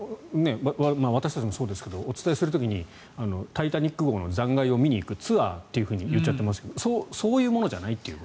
私たちもそうですがお伝えする時に「タイタニック号」の残骸を見に行くツアーと言っちゃってますがそういうものじゃないと。